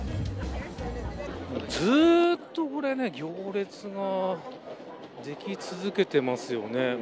ずっと行列ができ続けてますよね。